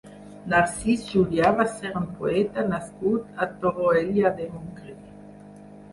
Narcís Julià va ser un poeta nascut a Torroella de Montgrí.